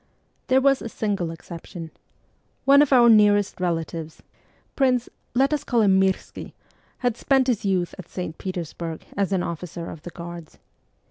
There was a single exception. One of our nearest relatives, Prince let me call him Mirski had spent his youth at St. Petersburg as an officer of the Guards.